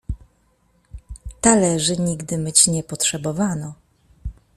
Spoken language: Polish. "Talerzy nigdy myć nie potrzebowano."